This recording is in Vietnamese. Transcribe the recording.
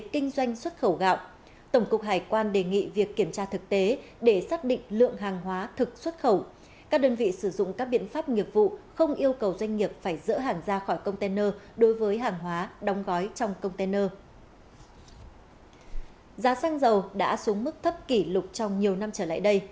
giá xăng dầu đã xuống mức thấp kỷ lục trong nhiều năm trở lại đây